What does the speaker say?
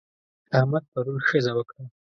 احمد پرون ښځه وکړه.